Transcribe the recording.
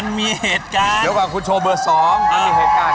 เดี๋ยวก่อนคุณโชว์เบอร์๒มันมีเหตุการณ์